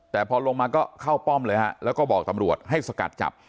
แต่พอลงมาก็เข้าป้อมเลยฮะแล้วก็บอกตำรวจให้สกัดจับ